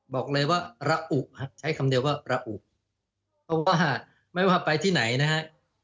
บอกเลยว่าระอุใช้คำเดียวว่าระอุเพราะว่าไม่ว่าไปที่ไหนนะฮะ